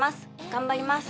頑張ります。